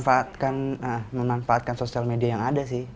memanfaatkan sosial media yang ada sih